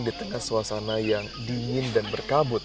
di tengah suasana yang dingin dan berkabut